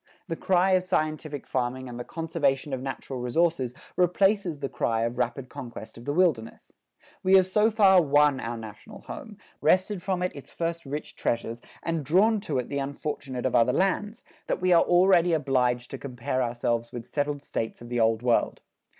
The cry of scientific farming and the conservation of natural resources replaces the cry of rapid conquest of the wilderness. We have so far won our national home, wrested from it its first rich treasures, and drawn to it the unfortunate of other lands, that we are already obliged to compare ourselves with settled states of the Old World.